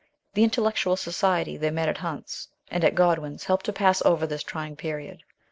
The intellectual society they met at Hunt's and at Godwin's helped to pass over this trying period.